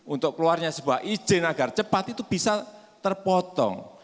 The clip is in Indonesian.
untuk keluarnya sebuah izin agar cepat itu bisa terpotong